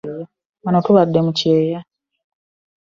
Wano tubadde mu kyeya.